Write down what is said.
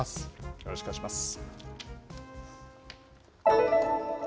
よろしくお願いします。